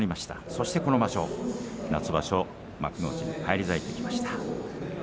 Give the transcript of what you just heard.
そして、この夏場所幕内に返り咲いてきました。